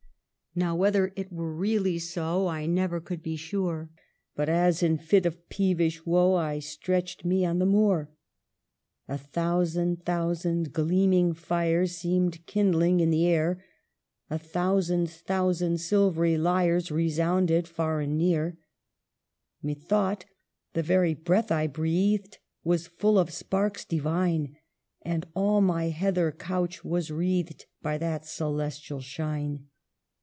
" Now, whether it were really so, I never could be sure, But as in lit of peevish woe, I stretched me on the moor, " A thousand thousand gleaming fires Seemed kindling in the air ; A thousand thousand silvery lyres Resounded far and near :" Methought, the very breath I breathed Was full of sparks divine, And all my heather couch was wreathed By that celestial shine